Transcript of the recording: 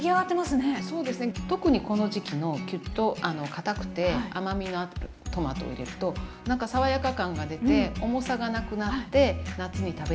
そうですね特にこの時期のキュッとかたくて甘みのあるトマトを入れるとなんか爽やか感が出て重さがなくなって夏に食べやすいかなと。